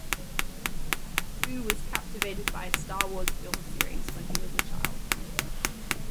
Koo was captivated by "Star Wars" film series when he was a child.